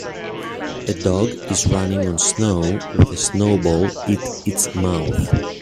A dog is running on snow with a snowball it its mouth.